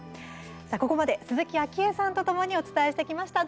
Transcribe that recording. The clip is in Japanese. ここまで鈴木あきえさんとともにお伝えしてきました。